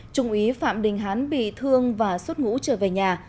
trung úy phạm đình hán bị thương và xuất ngũ trở về nhà